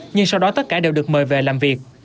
nhưng sau đó tất cả đều được mời về làm việc